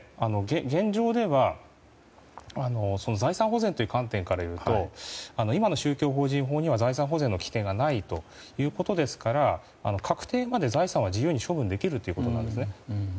現状では財産保全という観点からいうと今の宗教法人法には財産保全の規定がないということですから確定まで財産は自由に処分できるということなんですね。